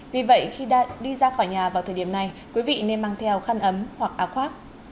vì vậy khi đi ra khỏi nhà vào thời điểm này quý vị nên mang theo khăn ấm hoặc áo khoác